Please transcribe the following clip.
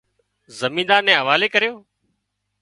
زميندار نين حوالي ڪريو